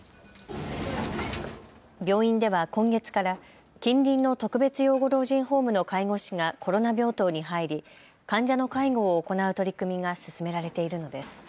病院では今月から近隣の特別養護老人ホームの介護士がコロナ病棟に入り患者の介護を行う取り組みが進められているのです。